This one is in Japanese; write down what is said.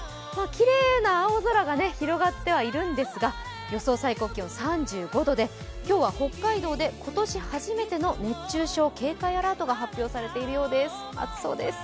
きれいな青空が広がってはいるんですが、予想最高気温３５度で、今日は北海道で今年初めての熱中症警戒アラートが発表されているようです、暑そうです。